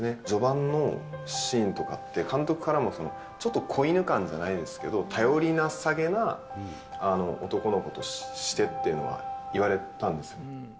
序盤のシーンとかって、監督からも、ちょっと子犬感じゃないですけど、頼りなさげな男の子としてっていうのは言われたんですよ。